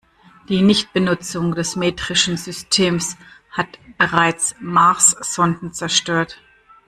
Die Nichtbenutzung des metrischen Systems hat bereits Marssonden zerstört.